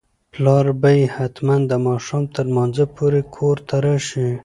پلار به یې حتماً د ماښام تر لمانځه پورې کور ته راشي.